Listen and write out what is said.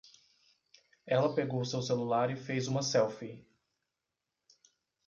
Ela pegou seu celular e fez uma selfie.